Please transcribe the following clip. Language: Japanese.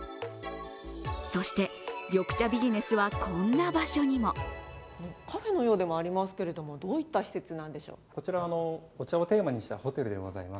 そして、緑茶ビジネスはこんな場所にもカフェのようでもありますけれども、どういった施設なんでしょう？